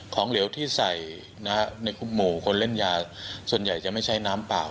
เหลวที่ใส่ในหมู่คนเล่นยาส่วนใหญ่จะไม่ใช่น้ำเปล่า